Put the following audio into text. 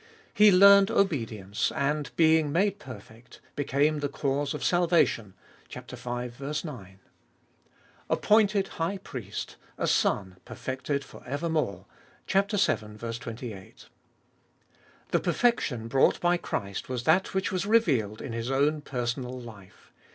He learned obedience, and being made perfect, became the cause of sal vation (v. 9). Appointed High Priest; a Son perfected for evermore (vii. 28). The perfection brought by Christ was that which was revealed in His own personal life.